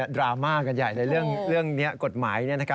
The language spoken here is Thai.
ดราม่ากันใหญ่เลยเรื่องนี้กฎหมาย